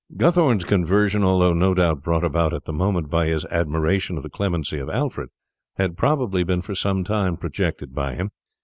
Guthorn's conversion, although no doubt brought about at the moment by his admiration of the clemency of Alfred, had probably been for some time projected by him.